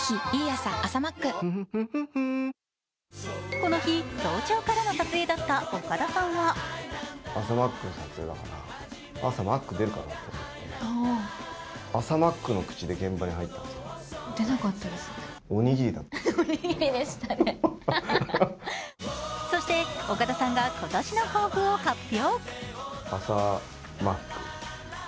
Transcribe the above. この日、早朝からの撮影だった岡田さんはそして岡田さんが今年の抱負を発表。